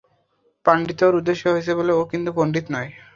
পান্ডিত্য ওর উদ্দেশ্য হয়েছে বলে ও কিন্তু পন্ডিত নয়।